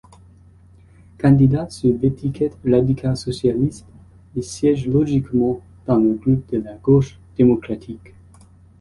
Candidat sous l'étiquette radicale-socialiste, il siège logiquement dans le groupe de la Gauche démocratique.